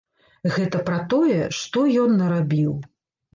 Гэта пра тое, што ён нарабіў.